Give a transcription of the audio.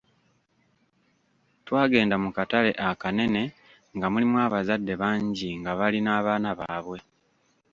Twagenda mu katale akanene nga mulimu abazadde bangi nga bali n'abaana baabwe.